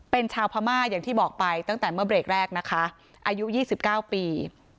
เป็นชาวพม่าอย่างที่บอกไปตั้งแต่เมื่อเบรกแรกนะคะอายุ๒๙ปี